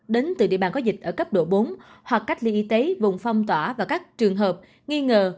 đến từ địa bàn có dịch ở cấp độ bốn hoặc cách ly y tế vùng phong tỏa và các trường hợp nghi ngờ